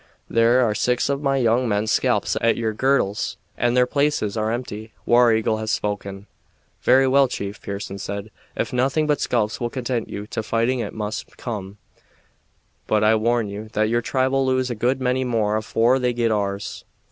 "There are six of my young men's scalps at your girdles, and their places are empty. War Eagle has spoken." "Very well, chief," Pearson said. "Ef nothing but sculps will content you, to fighting it must come; but I warn you that your tribe'll lose a good many more afore they get ours."